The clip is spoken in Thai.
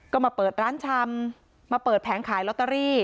ก็มาเปิดร้านชำมาเปิดแผงขายลอตเตอรี่